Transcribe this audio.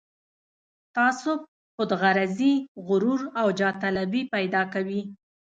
تعصب، خودغرضي، غرور او جاه طلبي پيدا کوي.